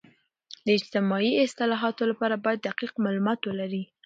د اجتماعي اصلاحاتو لپاره باید دقیق معلومات ولري.